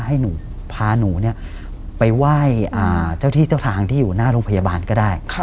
ให้หนูพาหนูไปไหว้เจ้าที่เจ้าทางที่อยู่หน้าโรงพยาบาลก็ได้